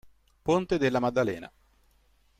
Ponte della Maddalena